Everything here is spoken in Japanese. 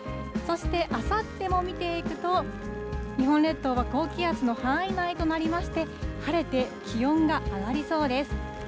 そして、あさっても見ていくと、日本列島は高気圧の範囲内となりまして、晴れて気温が上がりそうです。